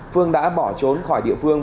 phương đã bỏ trốn khỏi địa phương